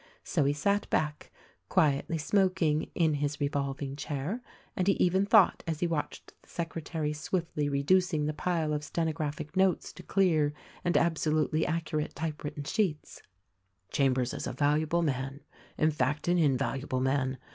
So 140 THE RECORDING ANGEL he sat back, quietly smoking, in his revolving chair ; and he even thought as he watched the secretary swiftly reducing the pile of stenographic notes to clear and absolutely accurate typewritten sheets, "Chambers is a valuable man, in fact, an invaluable man.